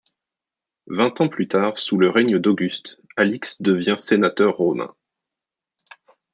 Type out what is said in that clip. Vingt ans plus tard, sous le règne d'Auguste, Alix devient sénateur romain.